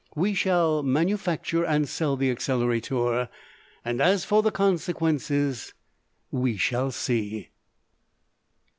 We shall manufacture and sell the Accelerator, and, as for the consequences we shall see.